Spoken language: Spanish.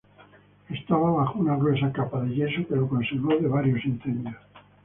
Estaba bajo una gruesa capa de yeso que lo conservó de varios incendios.